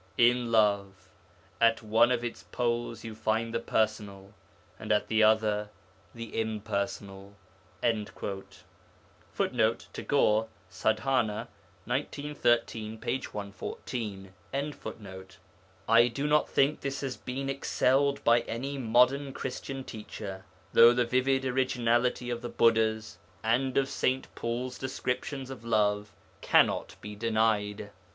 'In love, at one of its poles you find the personal, and at the other the impersonal.' [Footnote: Tagore, Sadhana (1913), p. 114.] I do not think this has been excelled by any modern Christian teacher, though the vivid originality of the Buddha's and of St. Paul's descriptions of love cannot be denied.